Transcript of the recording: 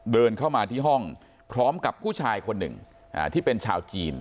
เดินเข้ามาที่ห้องพร้อมกับผู้ชายคนหนึ่งที่เป็นชาวจีน